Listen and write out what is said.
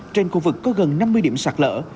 trên khu vực có gần năm mươi điểm sạc lỡ